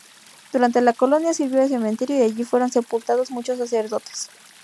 Durante la colonia sirvió de cementerio, y allí fueron sepultados muchos sacerdotes.